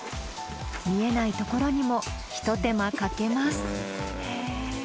見えないところにもひと手間かけます。